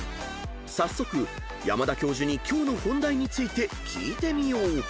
［早速山田教授に今日の本題について聞いてみよう］